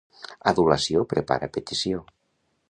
L'adulació prepara petició.